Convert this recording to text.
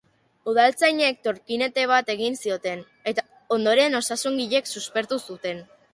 Udaltzainek tornikete bat egin zioten, eta ondoren osasun-langileek suspertu zuten.